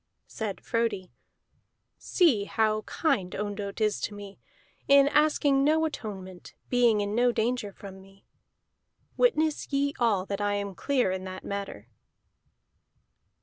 Said Frodi: "See how kind Ondott is to me, in asking no atonement, being in no danger from me. Witness ye all that I am clear in that matter."